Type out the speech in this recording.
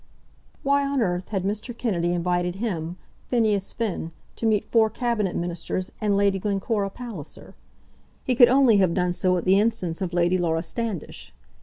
Why on earth had Mr. Kennedy invited him, Phineas Finn, to meet four Cabinet Ministers and Lady Glencora Palliser? He could only have done so at the instance of Lady Laura Standish.